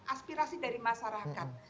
aspirasi dari masyarakat